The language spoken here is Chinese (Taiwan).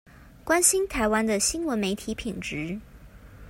關心台灣的新聞媒體品質